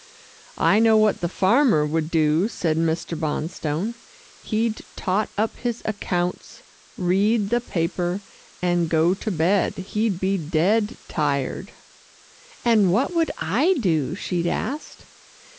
"I know what the farmer would do," said Mr. Bonstone, "he'd tot up his accounts, read the paper, and go to bed. He'd be dead tired." "And what would I do?" she asked.